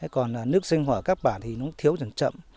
còn nước sinh hỏa các bản thì nó thiếu chẳng chậm